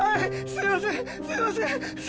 すいません